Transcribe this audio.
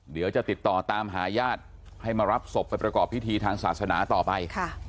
เดี๋ยวจะติดต่อตามหาญาติให้มารับศพไปประกอบพิธีทางศาสนาต่อไป